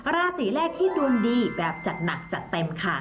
ราศีแรกที่ดวงดีแบบจัดหนักจัดเต็มค่ะ